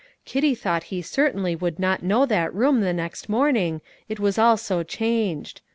Kitty thought he certainly would not know that room the next morning, it was all so changed.